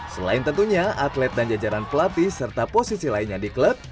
selain tentunya atlet dan jajaran pelatih serta posisi lainnya di klub